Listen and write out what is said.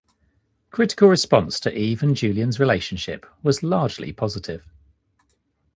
Critical response to Eve and Julian's relationship was largely positive.